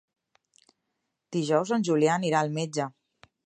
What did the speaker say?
Dijous en Julià anirà al metge.